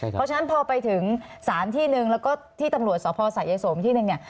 เพราะฉะนั้นพอไปถึงสารที่หนึ่งแล้วก็ที่ตำรวจสพสะยายสมที่หนึ่งเนี่ย